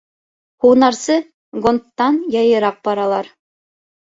Һунарсы гондтан яйыраҡ баралар.